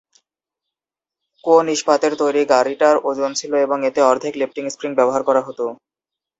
কোণ ইস্পাতের তৈরি গাড়িটার ওজন ছিল এবং এতে অর্ধ-লেপটিক স্প্রিং ব্যবহার করা হতো।